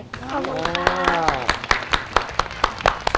ขอบคุณค่ะ